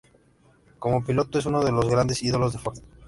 Como piloto, es uno de los grandes ídolos de Ford.